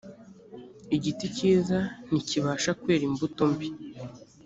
igiti cyiza ntikibasha kwera imbuto mbi